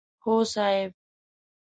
هو صاحب!